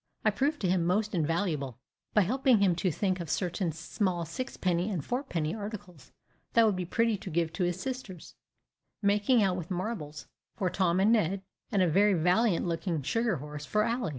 I proved to him most invaluable, by helping him to think of certain small sixpenny and fourpenny articles that would be pretty to give to sisters, making out with marbles for Tom and Ned, and a very valiant looking sugar horse for Ally.